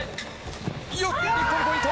日本、ポイント。